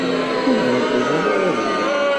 Ur d-neṭṭḍen ara deg-i.